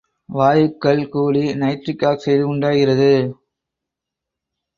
வாயுக்கள் கூடி nitric oxide உண்டாகிறது.